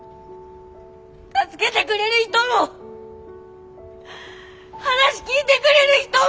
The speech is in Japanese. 助けてくれる人も話聞いてくれる人も！